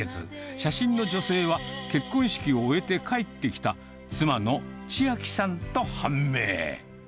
写真の女性は、結婚式を終えて帰ってきた、妻の千晶さんと判明。